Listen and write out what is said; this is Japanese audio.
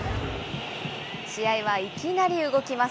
試合はいきなり動きます。